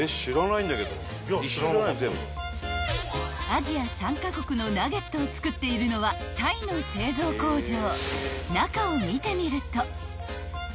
［アジア３カ国のナゲットを作っているのはタイの製造工場］